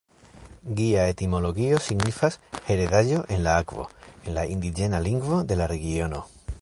Gia etimologio signifas "heredaĵo en la akvo", en la indiĝena lingvo de la regiono.